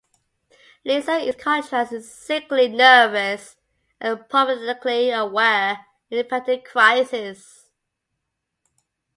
Lisa, in contrast, is sickly, nervous, and prophetically aware of impending crisis.